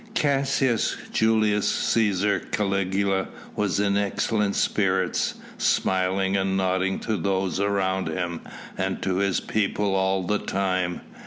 Caius Julius Cæsar Caligula was in excellent spirits, smiling and nodding to those around him and to his people all the time.